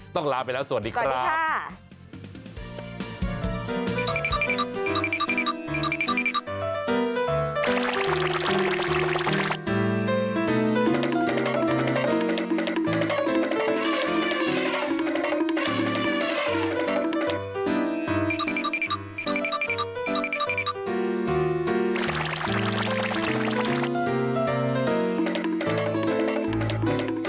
ลาไปแล้วสวัสดีครับ